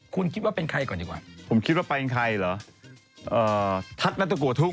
คุณคิดว่าเป็นใครก่อนดีกว่าผมคิดว่าเป็นใครหรอทัศน์ยันตุกว่าทุ่ม